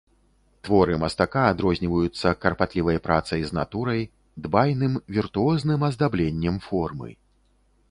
Творы мастака адрозніваюцца карпатлівай працай з натурай, дбайным, віртуозным аздабленнем формы.